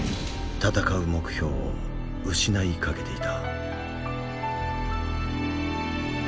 闘う目標を失いかけていた。